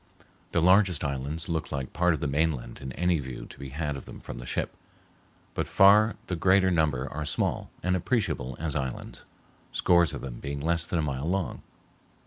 The largest islands look like part of the mainland in any view to be had of them from the ship, but far the greater number are small, and appreciable as islands, scores of them being less than a mile long.